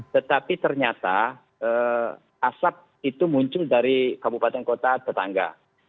tetapi ternyata asap itu muncul dari kabupaten kota tetangga